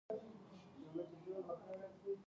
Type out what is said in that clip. پښې مې له زړو اوسپنو ډکې دي، دا یې علت دی.